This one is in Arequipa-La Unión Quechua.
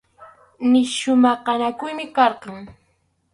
Nisyu maqanakuymi karqan.